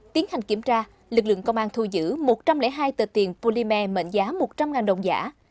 tiến hành kiểm tra lực lượng công an thu giữ một trăm linh hai tờ tiền polymer mệnh giá một trăm linh đồng giả